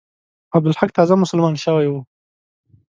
عبدالحق تازه مسلمان شوی وو.